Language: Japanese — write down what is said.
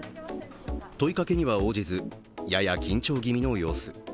問いかけには応じず、やや緊張気味の様子。